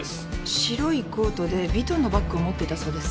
白いコートでヴィトンのバッグを持っていたそうです。